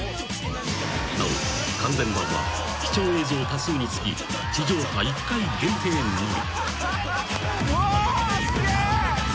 ［なお完全版は貴重映像多数につき地上波一回限定のみ］